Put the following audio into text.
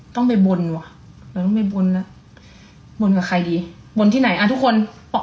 ต้องไปบนว่ะเออต้องไปบนนะบนกับใครดีบนที่ไหนอ่ะทุกคนบอก